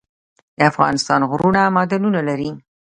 د افغانستان غرونه معدنونه لري